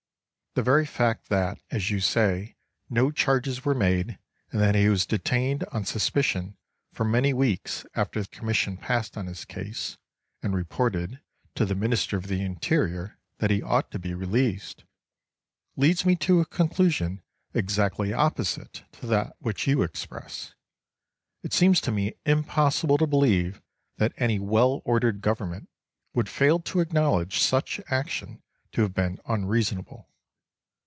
The very fact that, as you say, no charges were made and that he was detained on suspicion for many weeks after the Commission passed on his case and reported to the Minister of the Interior that he ought to be released, leads me to a conclusion exactly opposite to that which you express. It seems to me impossible to believe that any well ordered government would fail to acknowledge such action to have been unreasonable.